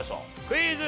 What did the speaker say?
クイズ。